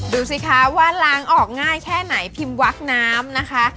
ดูสิคะว่าล้างออกง่ายแค่ไหนพิมพ์วักน้ำนะคะ